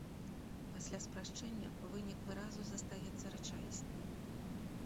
Пасля спрашчэння вынік выразу застаецца рэчаісным.